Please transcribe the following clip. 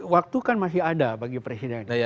waktu kan masih ada bagi presiden